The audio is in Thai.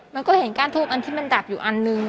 มันก็เห็นก้านทูบอันที่มันดับอยู่อันนึง